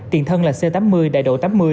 tiền thân là c tám mươi đại độ tám mươi